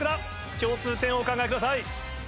共通点をお考えください。